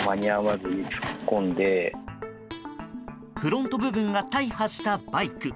フロント部分が大破したバイク。